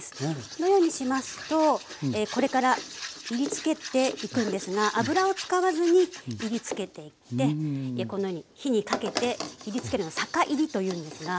このようにしますとこれからいりつけていくんですが油を使わずにいりつけていってこのように火にかけていりつけるの「酒いり」というんですが。